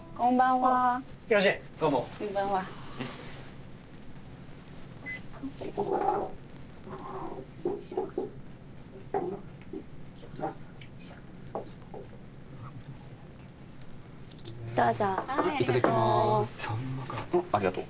はいありがとう。